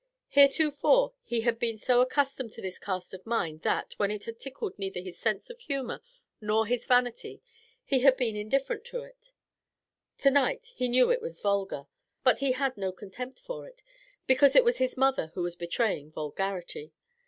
Heretofore he had been so accustomed to this cast of mind that, when it had tickled neither his sense of humour nor his vanity, he had been indifferent to it. To night he knew it was vulgar; but he had no contempt for it, because it was his mother who was betraying vulgarity.